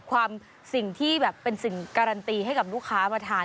สิ่งที่แบบเป็นสิ่งการันตีให้กับลูกค้ามาทาน